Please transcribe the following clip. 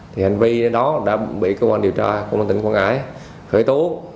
thì hành vi đó đã bị cơ quan điều tra cơ quan tỉnh quảng ngãi khởi tố